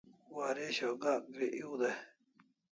Waresho Gak gri ew dai